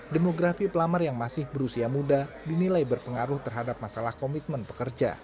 demografi pelamar yang masih berusia muda dinilai berpengaruh terhadap masalah komitmen pekerja